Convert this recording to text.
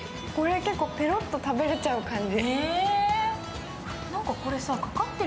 結構ペロッと食べれちゃう感じ。